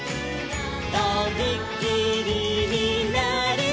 「とびきりになるぞ」